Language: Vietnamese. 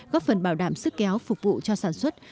góp phần bảo đảm sức kéo phục vụ cho sản xuất